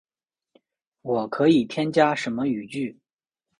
我可以添加什么语句？